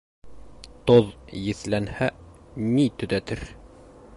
Тоҙ еҫләнһә ни төҙәтер?